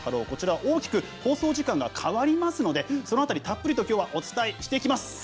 こちらは大きく放送時間が変わりますのでその辺りをきょうはたっぷりお伝えしていきます。